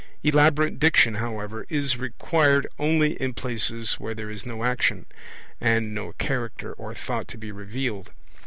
Elaborate Diction, however, is required only in places where there is no action, and no Character or Thought to be revealed.